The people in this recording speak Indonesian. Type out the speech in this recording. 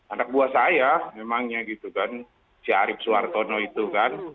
anak buah saya memangnya gitu kan si arief suartono itu kan